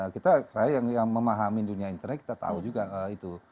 kita saya yang memahami dunia internet kita tahu juga itu